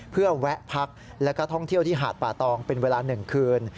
เพื่อแวะพักและก็ท่องเที่ยวที่หาดป่าตองเป็นเวลา๑คืน